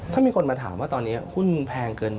ถ้ามีคนมาถามว่าตอนนี้หุ้นแพงเกิน